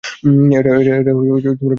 এটা ব্যক্তিগত সম্পত্তি।